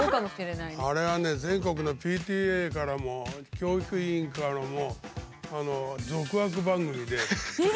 あれは全国のＰＴＡからも教育委員からも。